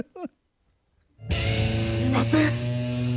すみません！